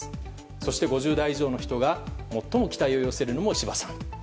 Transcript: そして５０台以上の人が最も期待を寄せるのも岸田さん。